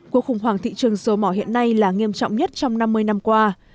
cuộc khủng hoảng thị trường dầu mỏ hiện nay là nghiêm trọng nhất trong năm mươi năm qua